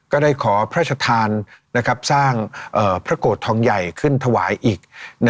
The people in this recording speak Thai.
ก็ได้ขอพระราชทานสร้างพระโกรธทองใหญ่ขึ้นถวายอีก